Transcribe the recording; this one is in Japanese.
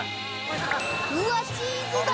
うわチーズだ！